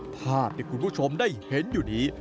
ภาพที่คุณผู้ชมได้เห็นอยู่นี้